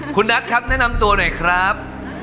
คุณนัทครับแนะนำตัวหน่อยครับ